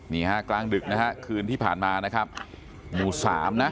นี่ฮะกลางดึกนะฮะคืนที่ผ่านมานะครับหมู่สามนะ